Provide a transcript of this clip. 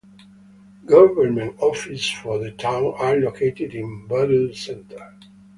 Government offices for the town are located in Butler Center.